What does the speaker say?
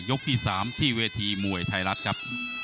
ที่๓ที่เวทีมวยไทยรัฐครับ